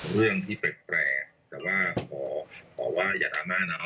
เรื่องที่เป็นแปลกแต่ว่าขอว่าอย่าตามานะ